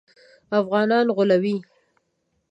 افغانان غولوي.